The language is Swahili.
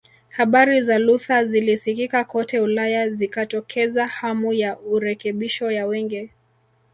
Habari za Luther zilisikika kote Ulaya zikatokeza hamu ya urekebisho ya wengi